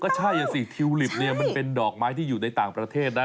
ใช่สิทิวลิปเนี่ยมันเป็นดอกไม้ที่อยู่ในต่างประเทศนะ